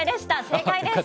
正解です。